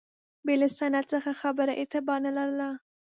بې له سند څخه خبره اعتبار نه لرله.